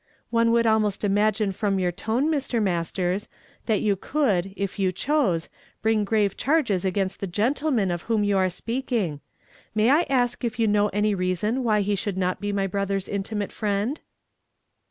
" One would almost imagine from your tone, Mr. Masters, that you could, if you chose, bring grave charges against the gentleman of whom you are speaking, ^lay I ask if you know any reason Avhy he should not be my brother's intimate friend?"